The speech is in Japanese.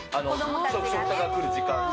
食卓に来る時間が。